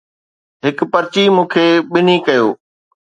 هڪ پرچي مون کي ٻنهي ڪيو